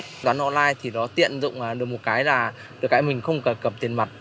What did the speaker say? thanh toán online thì nó tiện dụng được một cái là được cái mình không cần cầm tiền mặt